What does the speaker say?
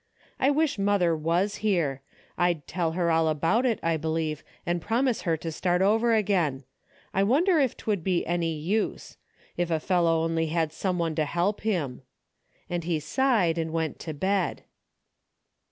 I wish mother was here. I'd tell her all about it, I believe, and promise her to start over again. I wonder if 'twould be any use ! If a fellow only had some one to help him !" and he sighed and went to bed.